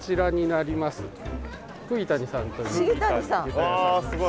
あすごい。